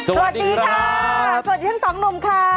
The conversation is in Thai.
ออกให้สบัติของคุกัสสบัดข่าว